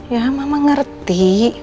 ya mama ngerti